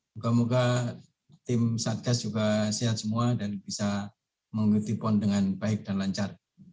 moga moga tim satgas juga sehat semua dan bisa mengikuti pon dengan baik dan lancar